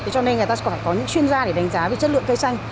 cho nên người ta có phải có những chuyên gia để đánh giá với chất lượng cây xanh